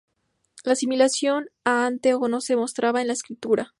La asimilación a ante o no se mostraba en la escritura.